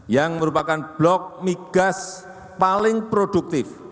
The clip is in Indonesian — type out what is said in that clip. yang merupakan blok migas paling produktif